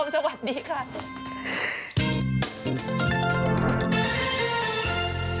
หนิงก็เป็นมีอาหารข้างบน